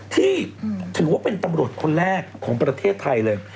ที่ถือว่าเป็นตำรวจคนแรกของประเทศไทยเลย